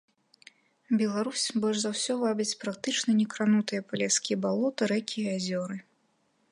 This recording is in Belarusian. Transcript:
Беларусь, больш за ўсё вабяць практычна некранутыя палескія балоты, рэкі і азёры.